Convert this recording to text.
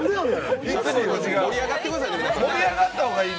盛り上がってくださいね、皆さん。